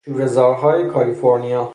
شورهزارهای کالیفرنیا